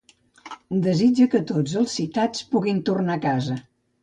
Desitja que tots els citats puguin tornar a casa.